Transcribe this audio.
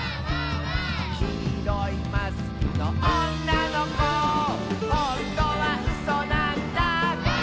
「きいろいマスクのおんなのこ」「ほんとはうそなんだ」